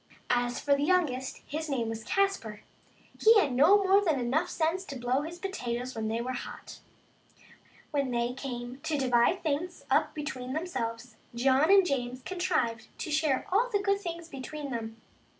As for the youngest, his name was Caspar, he had no more than enough sense to blow his potatoes when they were hot. Well, when they came to divide things up between themselves, John and James contrived to share all of the good things between them.